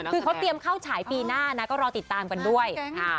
คือเขาเตรียมเข้าฉายปีหน้านะก็รอติดตามกันด้วย